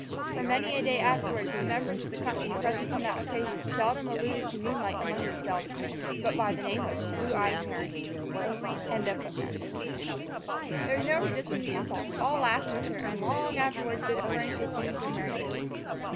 For many a day afterwards the members of the company present on that occasion seldom alluded to moonlight among each other, but by the name of "blue eyed Mary." There was no resisting the impulse, all laughed with her, and long afterwards did it furnish a theme for merriment.